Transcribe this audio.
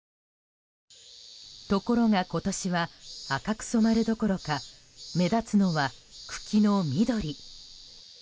ところが、今年は赤く染まるどころか目立つのは、茎の緑。